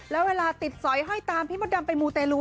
แล้วเวลาติดสอยห้อยตามพี่มดดำไปมูเตลู